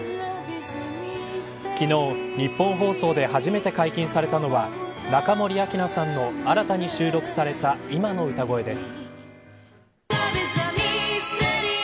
昨日、ニッポン放送で初めて解禁されたのは中森明菜さんの新たに収録された今の歌声です。